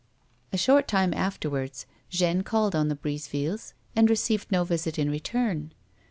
A short time afterwards, Jeanne called on the Brisevilles and received no visit in return.